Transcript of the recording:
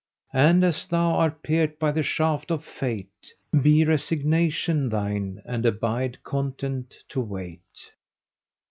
And as thou art pierced by the shaft of Fate, be resignation thine and abide content to wait."